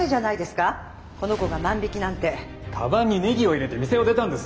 かばんにネギを入れて店を出たんです。